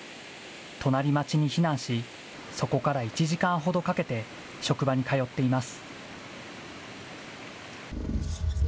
隣町に避難し、そこから１時間ほどかけて職場に通っています。